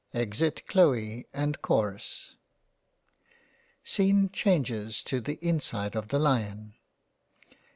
Exit Chloe and Chorus. — Scene changes to the inside of the Lion.